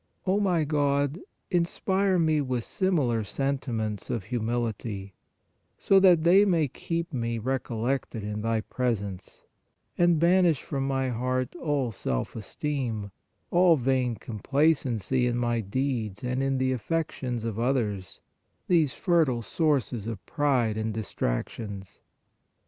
O my God, inspire me with similar sentiments of humility, so that they may keep me recollected in Thy presence, and banish from my heart all self esteem, all vain complacency in my deeds and in the affections of others, these fertile sources of pride and distractions.